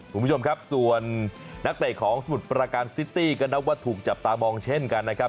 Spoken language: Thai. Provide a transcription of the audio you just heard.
คุณผู้ชมครับส่วนนักเตะของสมุทรประการซิตี้ก็นับว่าถูกจับตามองเช่นกันนะครับ